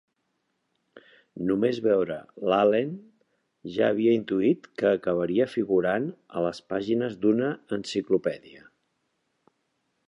Només veure l'Allen ja havia intuït que acabaria figurant a les pàgines d'una enciclopèdia.